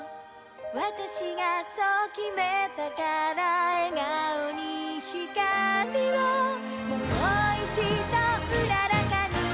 「わたしがそう決めたから」「笑顔にひかりをもう一度うららかに」